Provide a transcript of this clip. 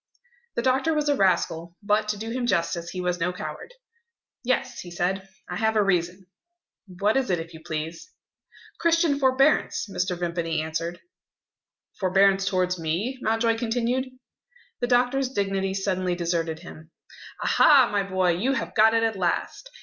The doctor was a rascal; but, to do him justice, he was no coward. "Yes," he said, "I have a reason." "What is it, if you please?" "Christian forbearance," Mr. Vimpany answered. "Forbearance towards me?" Mountjoy continued. The doctor's dignity suddenly deserted him. "Aha, my boy, you have got it at last!"